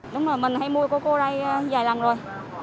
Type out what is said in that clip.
đúng rồi mình hay mua coco đây vài lần rồi